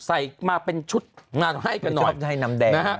ใส่มาเป็นชุดงานให้กันหน่อย